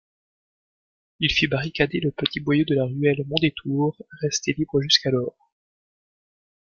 Il fit barricader le petit boyau de la ruelle Mondétour resté libre jusqu’alors.